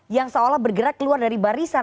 yang seolah bergerak keluar dari barisan